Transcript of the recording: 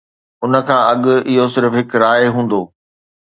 ان کان اڳ، اهو صرف هڪ راء هوندو